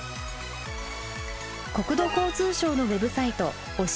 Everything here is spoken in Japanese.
国土交通省のウェブサイト「おしえて！